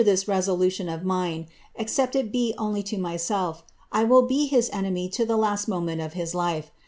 S37 resolution of mine (except it be only to myself),* I will be his entmf noment of his life.